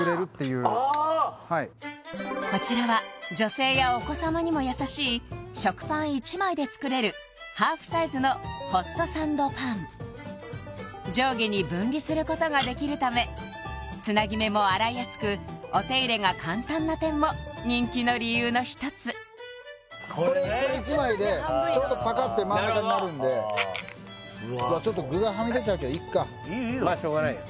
こちらは女性やお子様にも優しい食パン１枚で作れるハーフサイズのホットサンドパン上下に分離することができるためつなぎ目も洗いやすくお手入れが簡単な点も人気の理由の一つこれ１枚でちょうどパカッて真ん中になるんでちょっと具がはみ出ちゃうけどいっかまあしょうがないよ